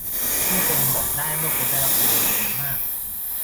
ผู้คนบอกได้เมื่อคุณได้รับอีเมลจำนวนมาก